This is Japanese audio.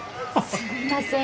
すみません